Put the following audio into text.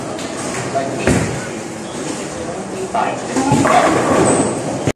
A date is concluded only by two methods.